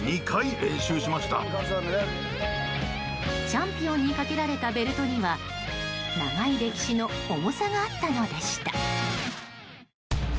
チャンピオンにかけられたベルトには、長い歴史の重さがあったのでした。